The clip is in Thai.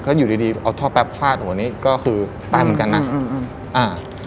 ก็อยู่ดีเอาท่อแปบฟาดโหนี่ก็คือตายเหมือนกันนะ